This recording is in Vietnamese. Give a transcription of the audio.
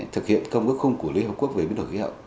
thực hiện công ước khung của liên hợp quốc về biến đổi khí hậu